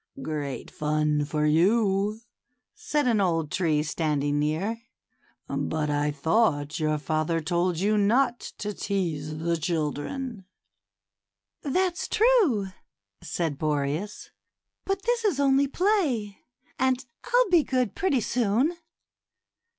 Great fun for you," said an old tree standing near; ^^but I thought your father told you not to tease the children." 90 THE CHILDREN'S WONDER BOOK. That's true/' said Boreas; ^^biit this is only play, and I'll be good pretty soon."